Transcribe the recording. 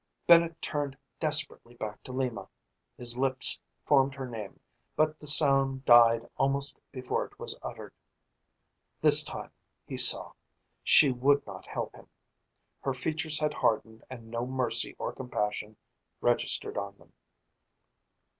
Bennett turned desperately back to Lima. His lips formed her name, but the sound died almost before it was uttered. This time, he saw, she would not help him. Her features had hardened and no mercy or compassion registered on them.